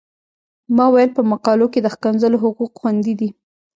ما ویل په مقالو کې د ښکنځلو حقوق خوندي دي.